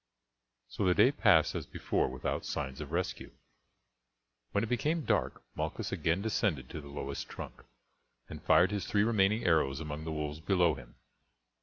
So the day passed as before without signs of rescue. When it became dark Malchus again descended to the lowest trunk, and fired his three remaining arrows among the wolves below him.